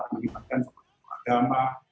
mengibatkan tokoh tokoh agama